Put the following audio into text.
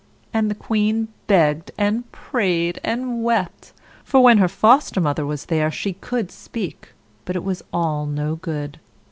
And the queen begged and prayed, and wept; for when her Foster mother was there, she could speak but it was all no good.